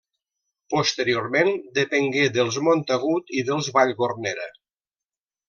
Posteriorment depengué dels Montagut i dels Vallgornera.